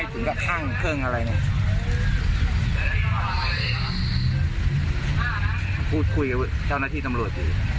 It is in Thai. บอกว่างเลือกให้หน่อย